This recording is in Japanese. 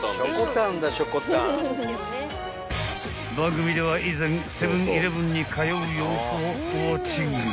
［番組では以前セブン−イレブンに通う様子をウオッチング］